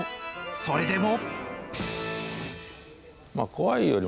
それでも。